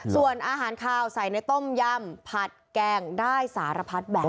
ส่วนอาหารคาวใส่ในต้มยำผัดแกงได้สารพัดแบบ